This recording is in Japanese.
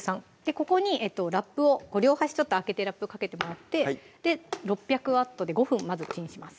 ここにラップを両端ちょっと開けてラップかけてもらってで６００Ｗで５分まずチンします